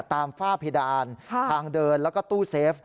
ฝ้าเพดานทางเดินแล้วก็ตู้เซฟ